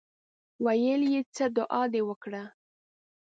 ویل یې څه دعا دې وکړه.